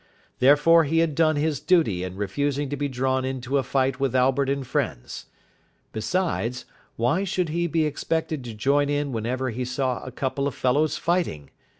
Therefore, he had done his duty in refusing to be drawn into a fight with Albert and friends. Besides, why should he be expected to join in whenever he saw a couple of fellows fighting?